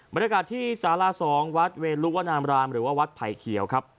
บรรยากาศที่สารา๒วัดเวลุวนามรามหรือว่าวัดไผ่เขียวครับ